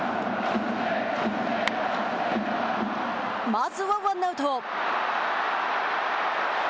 まずはワンアウト。